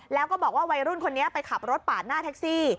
แล้วก็บอกว่าวัยรุ่นคนนี้ไปขับรถปาดหน้าแท็กซี่